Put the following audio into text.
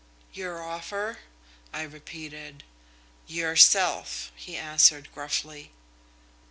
"'Your offer?' I repeated. "'Yourself,' he answered gruffly."